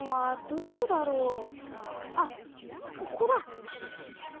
あここだ！